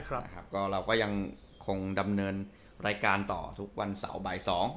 เราก็ยังคงดำเนินรายการต่อทุกวันเสาร์ใบ๒